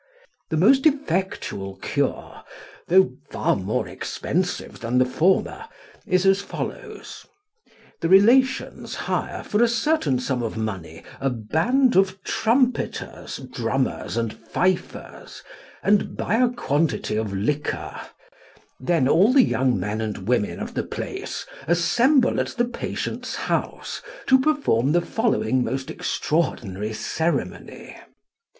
The most effectual cure, though far more expensive than the former, is as follows: The relations hire for a certain sum of money a band of trumpeters, drummers, and fifers, and buy a quantity of liquor; then all the young men and women of the place assemble at the patient's house to perform the following most extraordinary ceremony.